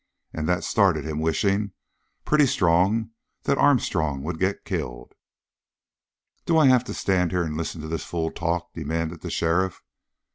And that started him wishing pretty strong that Armstrong would get killed!" "Do I have to stand here and listen to this fool talk?" demanded the sheriff.